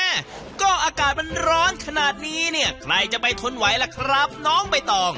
แม่ก็อากาศมันร้อนขนาดนี้เนี่ยใครจะไปทนไหวล่ะครับน้องใบตอง